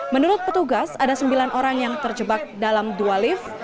menurut petugas ada sembilan orang yang terjebak dalam dua lift